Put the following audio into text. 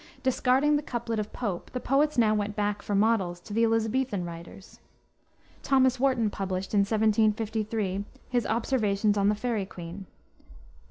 Discarding the couplet of Pope, the poets now went back for models to the Elisabethan writers. Thomas Warton published, in 1753, his Observations on the Faerie Queene.